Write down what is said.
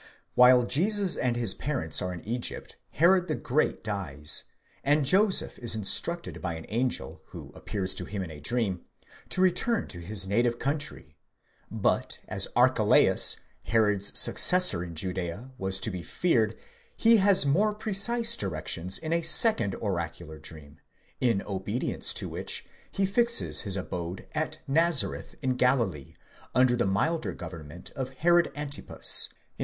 While Jesus and his parents are in Egypt, Herod the Great dies, and Joseph is instructed by an angel, who appears to him in a dream, to return to his native country ; but as Archelaus, Herod's successor in Judeea, was to be feared, he has more precise directions in a second oracular dream, in obedi ence to which he fixes his abode at Nazareth in Galilee, under the milder government of Herod Antipas (19 23).